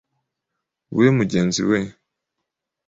we mugenzi we.”